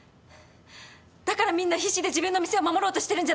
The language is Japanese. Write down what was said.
だからみんな必死で自分の店を守ろうとしてるんじゃ。